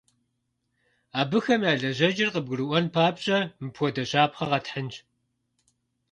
Абыхэм я лэжьэкӏэр къыбгурыӏуэн папщӏэ, мыпхуэдэ щапхъэ къэтхьынщ.